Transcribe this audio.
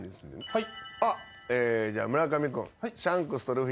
はい？